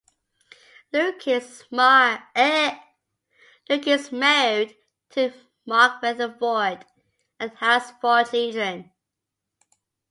Lucas is married to Mark Retherford and has four children.